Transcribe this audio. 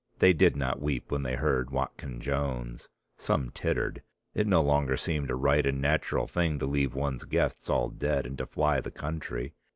They did not weep when they heard Watkyn Jones. Some tittered. It no longer seemed a right and natural thing to leave one's guests all dead and to fly the country.